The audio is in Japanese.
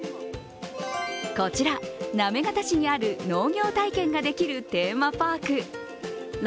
こちら行方市にある農業体験ができるテーマパークら